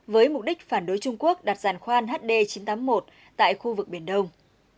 với mục đích phản đối trung quốc đặt giàn khoan hd chín trăm tám mươi một tại khu vực biển đông